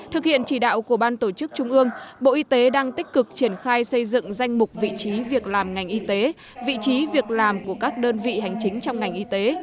thực hiện chỉ đạo của ban tổ chức trung ương bộ y tế đang tích cực triển khai xây dựng danh mục vị trí việc làm ngành y tế vị trí việc làm của các đơn vị hành chính trong ngành y tế